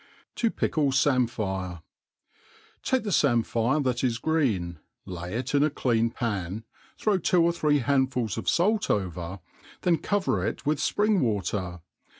To pickle Samphire. TAKE the famphire that is green, lay it in a clean pan, throw two or three handfuls of fait over, then cover it with fpring water.